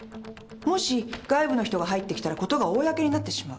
もし外部の人が入ってきたら事が公になってしまう。